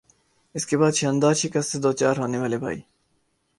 اس کے بعد "شاندار"شکست سے دوچار ہونے والے بھائی